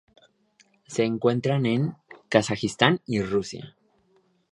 Se encuentran en Kazajistán y Rusia.